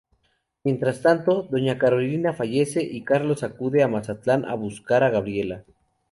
Mientras tanto, doña Carolina fallece y Carlos acude a Mazatlán a buscar a Gabriela.